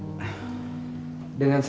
dia akan mentad watches